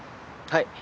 はい。